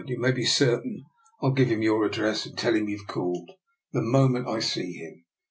" You may be certain Fll give him your ad dress, and tell him you've called, the moment I see him."